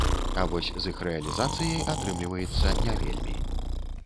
А вось з іх рэалізацыяй атрымліваецца не вельмі.